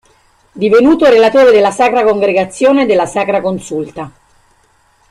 Divenuto relatore della Sacra Congregazione della Sacra Consulta.